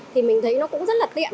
thì mình thấy nó cũng rất là tiện